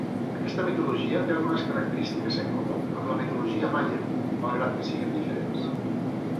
Aquesta mitologia té algunes característiques en comú amb la mitologia maia malgrat que siguen diferents.